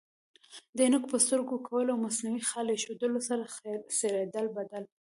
د عینکو په سترګو کول او مصنوعي خال ایښودلو سره څیره بدل